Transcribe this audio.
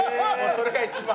それが一番。